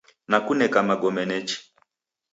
Nakuneka magome nechi.